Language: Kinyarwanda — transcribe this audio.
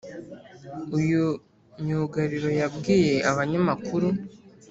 uyu myugariro yabwiye abanyamakuru